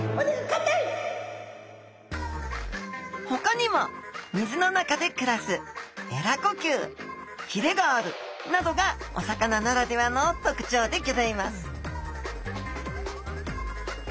ほかにも「水の中で暮らす」「鰓呼吸」「鰭がある」などがお魚ならではの特徴でギョざいます